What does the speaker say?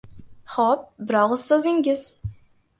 — Xo‘p, bir og‘iz so‘zingiz!